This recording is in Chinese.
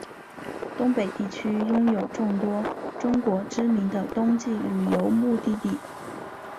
东北地区拥有众多中国知名的冬季旅游目的地。